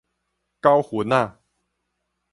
九份仔